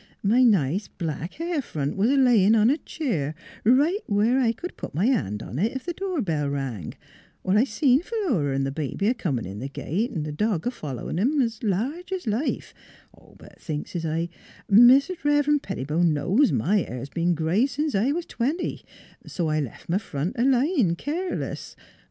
My nice black hair front was a layin' on a cheer, right where I c'd put m' hand on it ef the door bell rang. I seen Philura 'n' the baby a comin' in th' gate, th' dog a followin' 'em 's large 's life. But, thinks s'l, Mis' Rev'ren' Pettibone knows my hair 's been gray sence I was twenty; so I left m' front a layin' keerless.